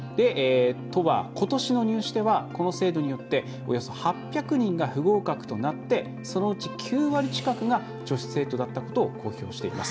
都は、ことしの入試ではこの制度によっておよそ８００人が不合格となってそのうち９割近くが女子生徒だったことを公表しています。